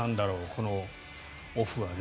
このオフは。